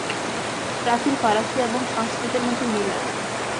প্রাচীন ফরাসী এবং সংস্কৃতের মধ্যে মিল আছে।